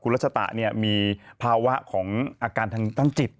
คุณรัชฎาเนี่ยมีภาวะของอาการทางทางจิต